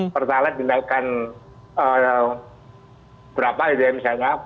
pertalek dinaikkan berapa ya misalnya